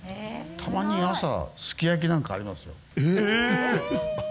たまに朝、すき焼きなんかありまえー？